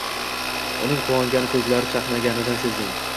Uning quvonganini ko`zlari chaqnaganidan sezdim